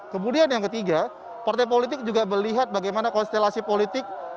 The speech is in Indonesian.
kemudian yang ketiga partai politik juga melihat bagaimana konstelasi politik